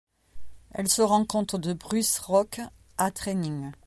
Elle se rencontre de Bruce Rock à Trayning.